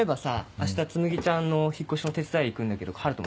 明日つむぎちゃんの引っ越しの手伝い行くんだけど春斗も来る？